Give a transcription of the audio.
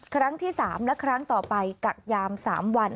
ครั้งที่๓และครั้งต่อไปกักยาม๓วัน